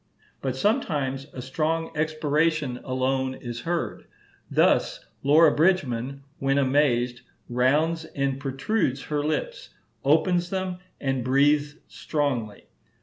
But sometimes a strong expiration alone is heard; thus Laura Bridgman, when amazed, rounds and protrudes her lips, opens them, and breathes strongly.